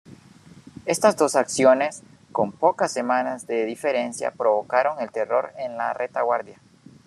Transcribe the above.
Estas dos acciones con pocas semanas de diferencia provocaron el terror en la retaguardia.